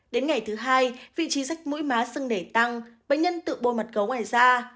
đến ngày thứ hai vị trí rạch mũi má sưng nề tăng bệnh nhân tự bôi mặt gấu ngoài da